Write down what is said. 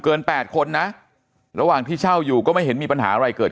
แปดคนนะระหว่างที่เช่าอยู่ก็ไม่เห็นมีปัญหาอะไรเกิด